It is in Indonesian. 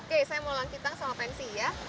oke saya mau langkitang sama pensi ya